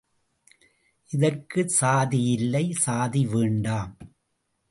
இதற்குச்சாதி இல்லை சாதி வேண்டாம்!